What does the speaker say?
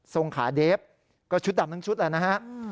ส่งขาเด็บก็ชุดดำทางชุดละนะครับ